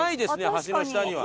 橋の下には。